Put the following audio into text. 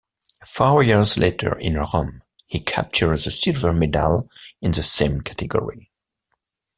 Four years later in Rome he captured the silver medal in the same category.